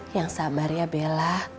yang sabar ya bella